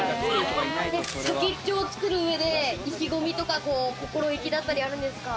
先っちょを作る上で意気込みとか心意気だったりあるんですか？